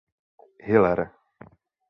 Hiller.